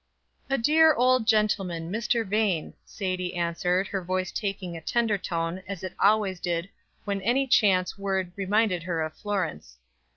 "A dear old gentleman, Mr. Vane," Sadie answered, her voice taking a tender tone, as it always did when any chance word reminded her of Florence.